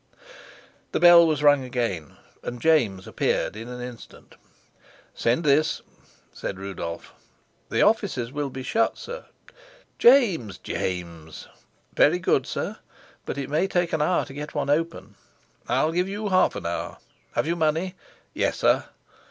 The bell was rung again, and James appeared in an instant. "Send this," said Rudolf. "The offices will be shut, sir." "James, James!" "Very good, sir; but it may take an hour to get one open." "I'll give you half an hour. Have you money?" "Yes, sir."